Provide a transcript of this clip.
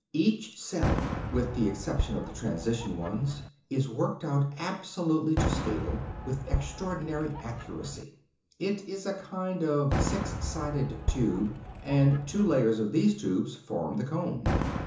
Each cell, with the exception of the transition ones, is worked out absolutely to scale, with extraordinary accuracy. It is a kind of six sided tube, and two layers of these tubes form the comb.